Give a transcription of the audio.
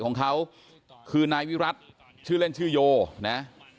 ก็ได้รู้สึกว่ามันกลายเป้าหมายและมันกลายเป้าหมาย